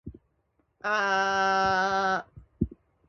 このレポートは成績評価のためのものであり、教科書以外を参照する必要なない。